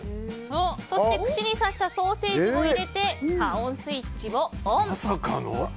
そして、串に刺したソーセージも入れて加温スイッチをオン。